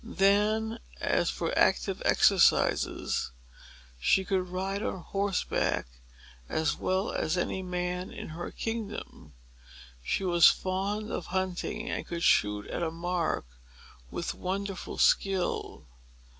Then, as for active exercises, she could ride on horseback as well as any man in her kingdom. She was fond of hunting, and could shoot at a mark with wonderful skill.